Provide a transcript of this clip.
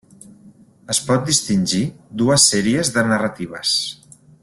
Es pot distingir dues sèries de narratives.